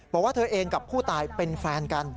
บอกว่าเธอเองกับผู้ตายเป็นแฟนกัน